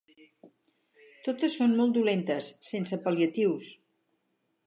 Totes són molt dolentes, sense pal·liatius.